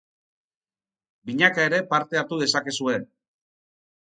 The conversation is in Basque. Binaka ere parte hartu dezakezue.